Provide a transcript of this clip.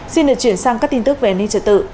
xin được chuyển sang các tin tức về ninh trợ tự